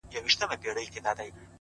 • د رباب او سارنګ له شرنګ سره دادی ,